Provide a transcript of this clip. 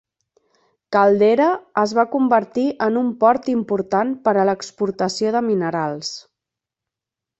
Caldera es va convertir en un port important per a l'exportació de minerals.